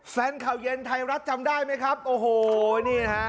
แฟนข่าวเย็นไทยรัฐจำได้ไหมครับโอ้โหนี่นะฮะ